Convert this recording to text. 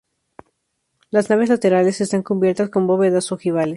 Las naves laterales están cubiertas con bóvedas ojivales.